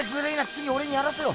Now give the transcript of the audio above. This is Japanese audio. つぎ俺にやらせろ。